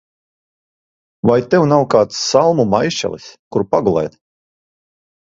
Vai tev nav kāds salmu maišelis, kur pagulēt?